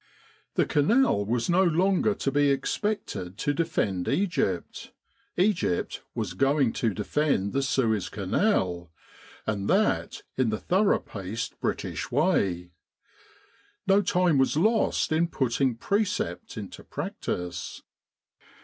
The Canal was no longer to be expected to defend Egypt : Egyjk was going to defend the Suez Canal, and that in the thorough paced British way. No time was lost in putting precept into practice.